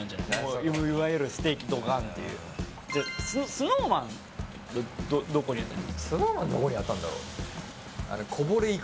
ＳｎｏｗＭａｎはどこに当たる？